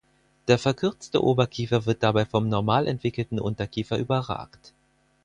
Der verkürzte Oberkiefer wird dabei vom normal entwickelten Unterkiefer überragt.